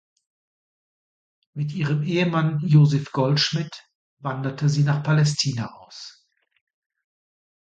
Mit ihrem Ehemann Joseph Goldschmidt wanderte sie nach Palästina aus.